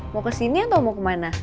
mau kesini atau mau kemana